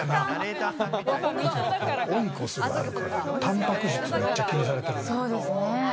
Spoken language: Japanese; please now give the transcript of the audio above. オイコスがあるから、タンパク質めっちゃ気にされてる。